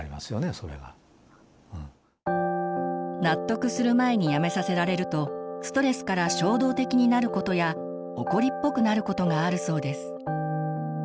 納得する前にやめさせられるとストレスから衝動的になることやおこりっぽくなることがあるそうです。